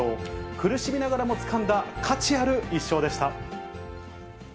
苦しみながらもつかんだ価値ある一勝でした。